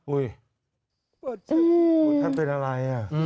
อืมท่านเป็นอะไรอ่ะ